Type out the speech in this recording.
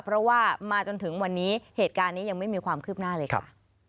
เพราะว่ามาจนถึงวันนี้เหตุการณ์นี้ยังไม่มีความคืบหน้าเลยค่ะ